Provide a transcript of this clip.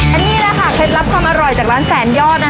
อันนี้แหละค่ะเคล็ดลับความอร่อยจากร้านแสนยอดนะคะ